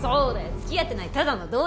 付き合ってないただの同僚。